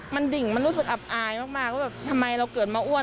มันดิ่งมันรู้สึกอับอายมากว่าแบบทำไมเราเกิดมาอ้วน